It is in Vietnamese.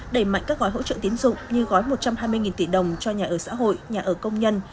đẩy mạnh các gói hỗ trợ tiến dụng như gói một trăm hai mươi tỷ đồng cho nhà ở xã hội nhà ở công nhân